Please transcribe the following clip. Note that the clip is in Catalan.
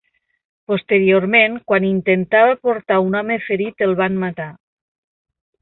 Posteriorment, quan intentava portar un home ferit el van matar.